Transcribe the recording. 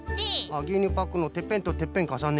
ぎゅうにゅうパックのてっぺんとてっぺんかさねる。